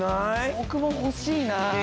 僕も欲しいな。